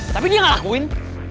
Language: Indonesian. tapi dia nggak lakuin